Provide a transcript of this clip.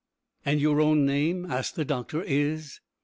"And your own name," asked the doctor, "is